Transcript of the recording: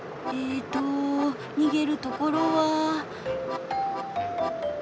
えと逃げるところは。